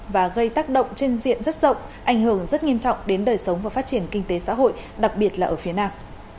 và gây tác động trên diện rất rộng ảnh hưởng rất nghiêm trọng đến đời sống và phát triển kinh tế xã hội đặc biệt là ở phía nam